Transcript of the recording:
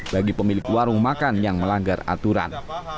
bagi pemilik warung makan yang melanggar aturan